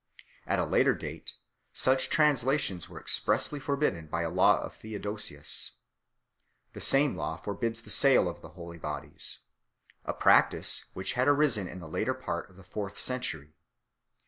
At a later date such translations were expressly forbidden by a law of Theodosius 5 . The same law forbids the sale of the holy bodies, a practice which had arisen in the latter part of the fourth century.